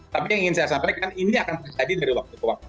tapi yang ingin saya sampaikan ini akan terjadi dari waktu ke waktu